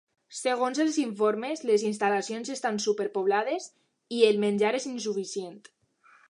Segons els informes, les instal·lacions estan superpoblades, i el menjar és insuficient.